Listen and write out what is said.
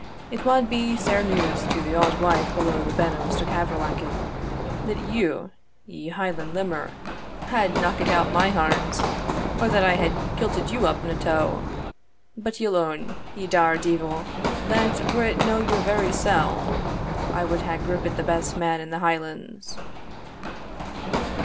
It wad be sair news to the auld wife below the Ben of Stuckavrallachan, that you, ye Hieland limmer, had knockit out my harns, or that I had kilted you up in a tow. But ye'll own, ye dour deevil, that were it no your very sell, I wad hae grippit the best man in the Hielands."